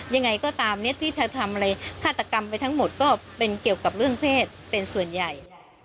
ยังไงก็ตามที่เธอทำอะไรฆาตกรรมไปทั้งหมดก็เป็นเกี่ยวกับเรื่องเพศเป็นส่วนใหญ่